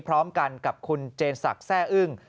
พร้อมกันกับคุณเจนสักแทร่อึ้ง